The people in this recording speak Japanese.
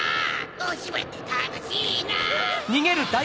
おしばいってたのしいな！